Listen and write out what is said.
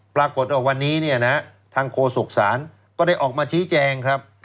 ปรากฏวันนี้ทางโคศกศาลก็ได้ออกมาชี้แจงครับ